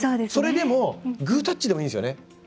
それでもグータッチでもいいんですね。